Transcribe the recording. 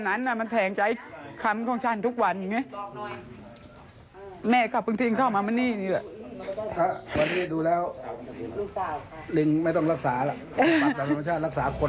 ฝากกับธรรมชาติรักษาคนเนี่ย